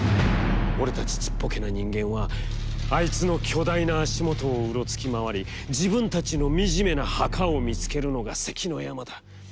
俺たちちっぽけな人間は、あいつの巨大な足もとをうろつきまわり、自分たちのみじめな墓を見つけるのが関の山だ。